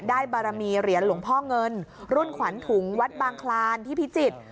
บารมีเหรียญหลวงพ่อเงินรุ่นขวัญถุงวัดบางคลานที่พิจิตร